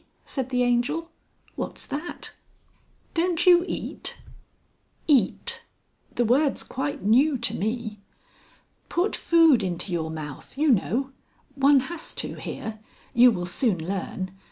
said the Angel. "What's that?" "Don't you eat?" "Eat! The word's quite new to me." "Put food into your mouth, you know. One has to here. You will soon learn.